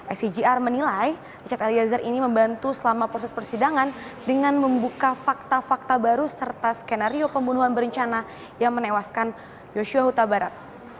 icgr menilai richard eliezer ini membantu selama proses persidangan dengan membuka fakta fakta baru serta skenario pembunuhan berencana yang menewaskan yosua huta barat